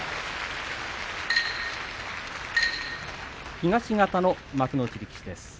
東方の幕内力士です。